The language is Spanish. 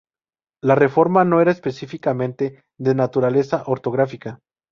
La reforma no era específicamente de naturaleza ortográfica.